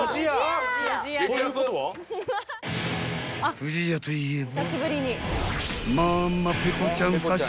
［不二家といえば］